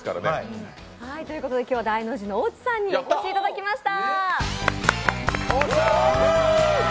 今日はダイノジの大地さんにお越しいただきました。